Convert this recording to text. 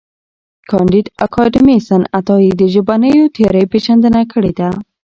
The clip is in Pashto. کانديد اکاډميسن عطایي د ژبنیو تیورۍ پېژندنه کړې ده.